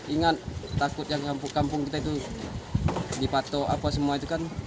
ingat takut yang kampung kampung kita itu dipatok apa semua itu kan